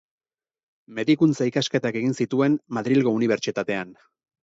Medikuntza-ikasketak egin zituen, Madrilgo Unibertsitatean.